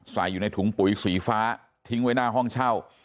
ใส่อยู่ในถุงปุ๋ยสีฟ้าทิ้งไว้หน้าห้องเช่า